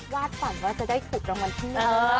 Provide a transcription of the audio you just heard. ฝันว่าจะได้ถูกรางวัลที่๑